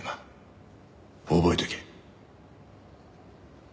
覚えとけ。